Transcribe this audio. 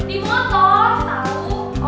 di motor tau